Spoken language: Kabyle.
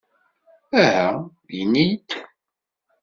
Aha, ini-d!